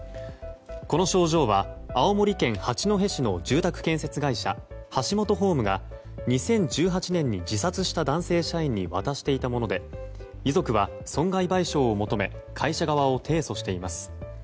この賞状は青森県八戸市の住宅建設会社ハシモトホームが２０１８年に自殺した男性社員に渡していたもので遺族は損害賠償を求め会社側を提訴しています。